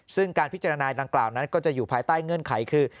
ซึ่งการพิจารณาดังกล่าวนั้นก็จะอยู่ภายใต้เงื่อนไขคือ